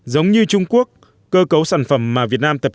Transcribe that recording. giống như trung quốc cơ cấu sản phẩm mà việt nam tập trung